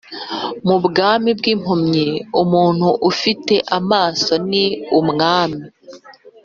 mu bwami bwimpumyi umuntu ufite amaso ni umwami